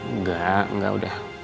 enggak enggak udah